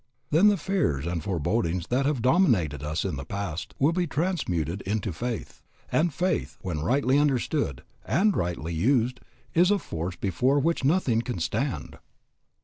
Then the fears and forebodings that have dominated us in the past will be transmuted into faith, and faith when rightly understood and rightly used is a force before which nothing can stand.